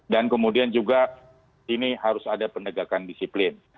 dan kemudian juga ini harus ada penegakan disiplin